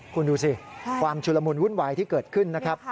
คุณดูสิความชุลมุนวุ่นวายที่เกิดขึ้นนะครับ